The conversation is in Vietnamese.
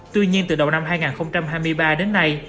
tuy nhiên từ đầu năm hai nghìn hai mươi ba đến nay